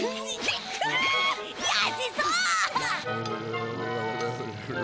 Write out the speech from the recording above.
やせそう！